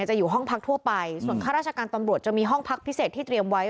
จะอยู่ห้องพักทั่วไปส่วนข้าราชการตำรวจจะมีห้องพักพิเศษที่เตรียมไว้